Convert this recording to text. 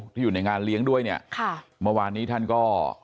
อยู่ในงานเลี้ยงด้วยเนี่ยค่ะเมื่อวานนี้ท่านก็